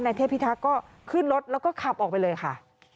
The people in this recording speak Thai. เทพิทักษ์ก็ขึ้นรถแล้วก็ขับออกไปเลยค่ะ